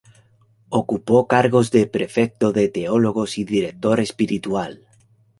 Ocupó cargos de Prefecto de Teólogos y Director Espiritual.